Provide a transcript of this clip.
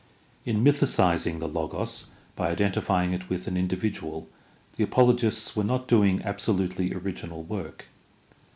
In mythicizing the Logos by identifying it with an indi vidual the apologists were not doing absolutely original work.